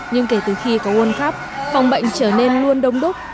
nhưng kể từ khi có world cup phòng bệnh trở nên luôn đông đúc